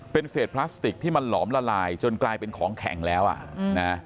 เป็นเศษพลาสติกที่มันหลอมละลายจนกลายเป็นของแข็งแล้วอ่ะนะ